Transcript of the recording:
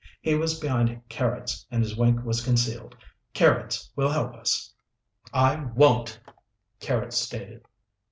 He was behind Carrots and his wink was concealed. "Carrots will help us." "I won't," Carrots stated.